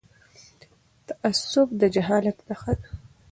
تعصب د جهالت نښه ده..